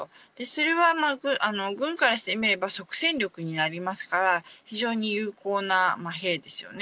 それは軍からしてみれば即戦力になりますから、非常に有効な兵ですよね。